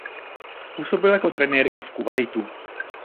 Působil jako trenér i v Kuvajtu.